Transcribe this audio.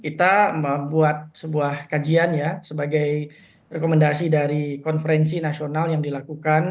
kita membuat sebuah kajian ya sebagai rekomendasi dari konferensi nasional yang dilakukan